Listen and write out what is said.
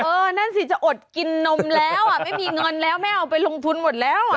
นั่นสิจะอดกินนมแล้วอ่ะไม่มีเงินแล้วไม่เอาไปลงทุนหมดแล้วอ่ะ